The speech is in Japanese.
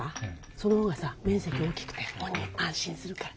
その方がさ面積大きくて本人安心するから。